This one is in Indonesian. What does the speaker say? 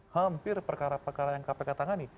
hampir perkara perkara yang kpk tangani